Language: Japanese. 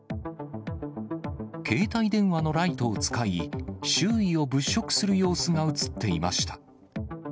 携帯電話のライトを使い、周囲を物色する様子が写っていました。